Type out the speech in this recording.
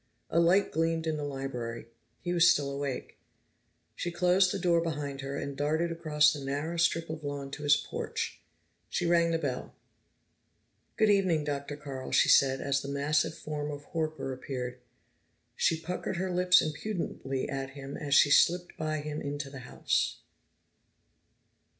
A light gleamed in the library; he was still awake. She closed the door behind her, and darted across the narrow strip of lawn to his porch. She rang the bell. "Good evening, Dr. Carl," she said as the massive form of Horker appeared. She puckered her lips impudently at him as she slipped by him into the house.